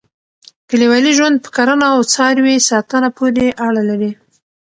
کلیوالي ژوند په کرنه او څاروي ساتنه پورې اړه لري.